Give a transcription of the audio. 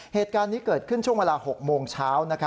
เหตุการณ์นี้เกิดขึ้นช่วงเวลา๖โมงเช้า